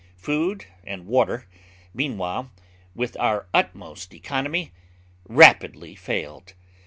Food and water, meanwhile, with our utmost economy, rapidly failed.